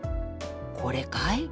これかい。